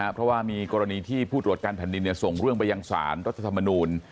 เพราะว่ามีกรณีที่ผู้ตรวจการแผ่นดินส่งเรื่องไปยังสารรัฐธรรมนูล